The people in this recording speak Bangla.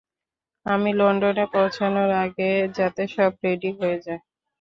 আমি লন্ডনে পৌঁছানোর আগে যাতে সব রেডি হয়ে যায়।